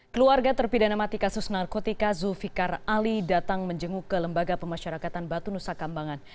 keluarga terpidana mati kasus narkotika zulfikar ali datang menjenguk ke lembaga pemasyarakatan batu nusa kambangan